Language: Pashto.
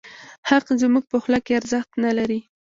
حق زموږ په خوله کې ارزښت نه لري.